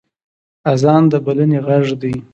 اذان د بلنې غږ دی